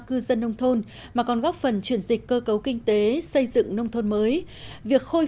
cư dân nông thôn mà còn góp phần chuyển dịch cơ cấu kinh tế xây dựng nông thôn mới việc khôi